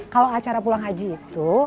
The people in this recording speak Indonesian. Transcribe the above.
kalau acara pulang haji itu